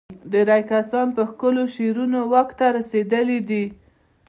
ډېری کسان په ښکلو شعارونو واک ته رسېدلي دي.